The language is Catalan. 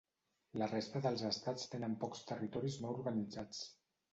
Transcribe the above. La resta dels estats tenen pocs territoris no organitzats.